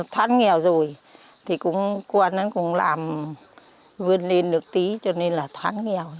thoát nghèo rồi thì con cũng làm vươn lên được tí cho nên là thoát nghèo